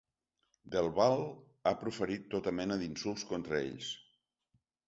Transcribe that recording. Del Val ha proferit tota mena d’insults contra ells.